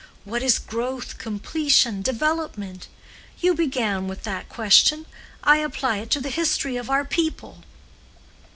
What is growth, completion, development? You began with that question, I apply it to the history of our people.